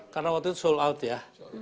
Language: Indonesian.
karena waktu itu sold out ya